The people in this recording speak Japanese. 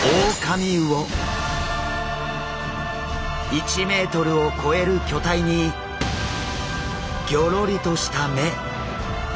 １ｍを超える巨体にギョロリとした目。